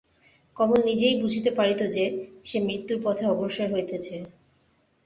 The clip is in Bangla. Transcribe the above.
কমল নিজেই বুঝিতে পারিত যে, সে মৃত্যুর পথে অগ্রসর হইতেছে।